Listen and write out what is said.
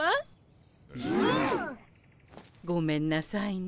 うん。ごめんなさいね。